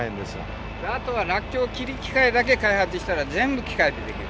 あとはらっきょうを切る機械だけ開発したら全部機械でできる。